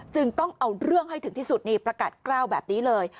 จึงต้องเอาเรื่องให้ถึงที่สุดนี่ประกาศกล้าวแบบนี้เลย